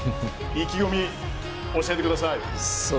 意気込み教えてください。